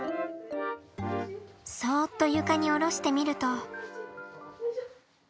そっと床に下ろしてみると。